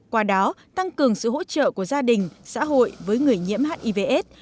qua đó tăng cường sự hỗ trợ của gia đình xã hội với người nhiễm hiv aids